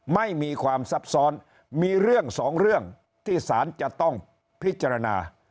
ไม่มีความซับซ้อนมีเรื่องสองเรื่องที่สารจะต้องพิจารณา